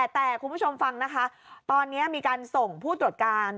แต่คุณผู้ชมฟังนะคะตอนนี้มีการส่งผู้ตรวจการ